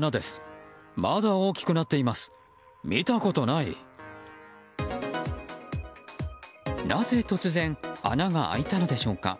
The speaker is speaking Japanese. なぜ突然穴が開いたのでしょうか。